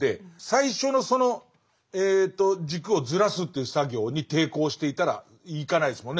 最初のその軸をずらすという作業に抵抗していたらいかないですもんね。